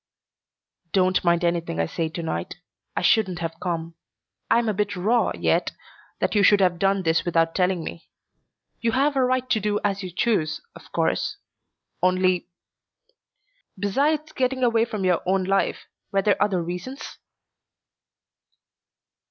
"Don't mind anything I say to night. I shouldn't have come. I'm a bit raw yet that you should have done this without telling me. You have a right to do as you choose, of course, only . Besides getting away from your old life were there other reasons?"